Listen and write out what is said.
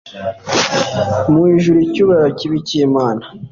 Mu ijuru icyubahiro kibe icy'Imana,